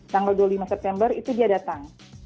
tanggal dua puluh lima september itu dia datang